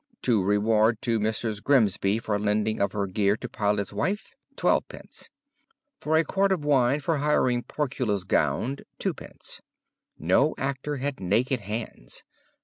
'To reward to Mrs. Grimsby for lending of her gear for Pilate's wife, xiid.' 'For a quart of wine for hiring Porcula's gown, iid.' No actor had naked hands.